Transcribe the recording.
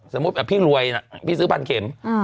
สมมุติพี่รวยนะพี่ซื้อ๑๐๐๐เข็ม